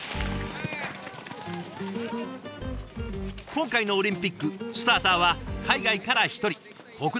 今回のオリンピックスターターは海外から１人国内からは７人。